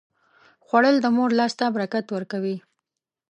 خوړل د مور لاس ته برکت ورکوي